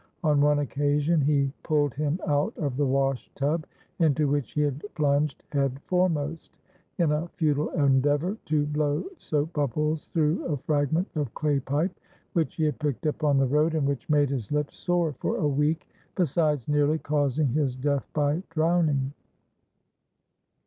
On one occasion he pulled him out of the wash tub, into which he had plunged head foremost, in a futile endeavor to blow soap bubbles through a fragment of clay pipe, which he had picked up on the road, and which made his lips sore for a week, besides nearly causing his death by drowning.